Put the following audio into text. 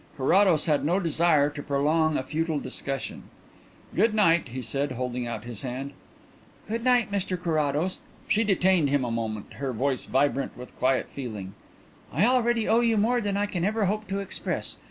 Carrados had no desire to prolong a futile discussion. "Good night," he said, holding out his hand. "Good night, Mr Carrados." She detained him a moment, her voice vibrant with quiet feeling. "I already owe you more than I can ever hope to express.